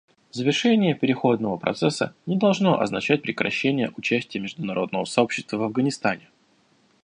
Завершение переходного процесса не должно означать прекращения участия международного сообщества в Афганистане.